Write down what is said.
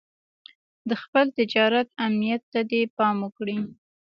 د خپل تجارت امنيت ته دې پام کړی.